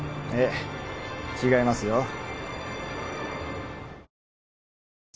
ええ違いますよ